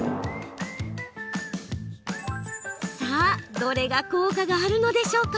さあ、どれが効果があるのでしょうか？